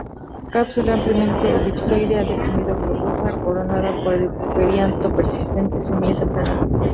Cápsula ampliamente elipsoide a deprimido-globosa, coronada por el perianto persistente; semillas aplanadas.